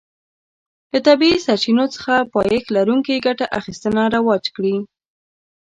له طبیعي سرچینو څخه پایښت لرونکې ګټه اخیستنه رواج کړي.